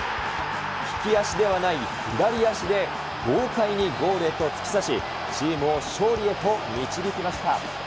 利き足ではない左足で豪快にゴールへと突き刺し、チームを勝利へと導きました。